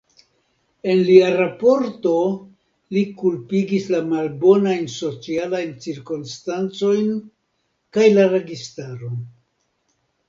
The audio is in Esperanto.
En lia raporto, li kulpigis la malbonajn socialajn cirkonstancojn kaj la registaron.